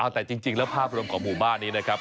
แต่จริงแล้วภาพรวมของหมู่บ้านนี้นะครับ